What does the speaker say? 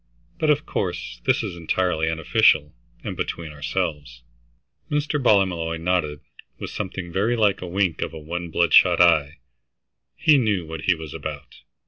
But, of course, this is entirely unofficial, and between ourselves." Mr. Ballymolloy nodded with something very like a wink of one bloodshot eye. He knew what he was about.